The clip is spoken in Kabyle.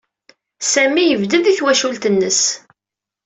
Sami yebded i twacult-nnes.